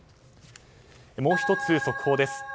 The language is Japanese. もう１つ速報です。